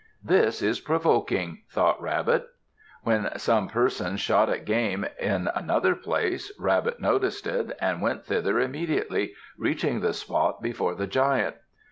"This is provoking!" thought Rabbit. When some persons shot at game in another place Rabbit noticed it, and went thither immediately, reaching the spot before the Giant.